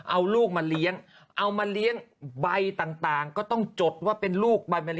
เอาลูกมาเลี้ยงเอามาเลี้ยงใบต่างก็ต้องจดว่าเป็นลูกใบมะเล